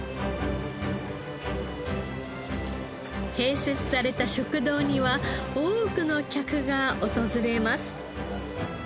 併設された食堂には多くの客が訪れます。